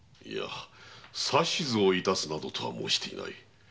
いや指図を致すなどとは申していない。